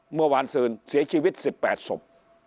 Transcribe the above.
เมื่อคืนเสียชีวิต๑๘ศพ